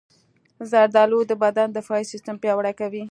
زردالو د بدن دفاعي سیستم پیاوړی کوي.